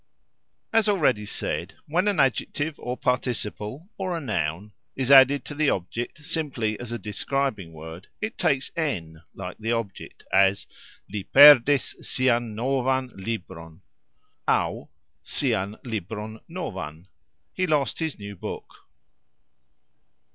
As already said, when an adjective or participle (or a noun) is added to the object simply as a describing word, it takes "n" like the object, as "Li perdis sian novan libron "("aux", sian libron novan), He lost his new book.